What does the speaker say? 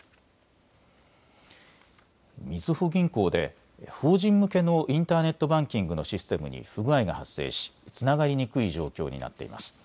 みずほ銀行で法人向けのインターネットバンキングのシステムに不具合が発生しつながりにくい状況になっています。